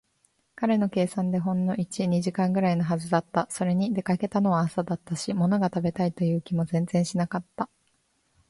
彼の計算ではほんの一、二時間ぐらいのはずだった。それに、出かけたのは朝だったし、ものが食べたいという気も全然しなかった。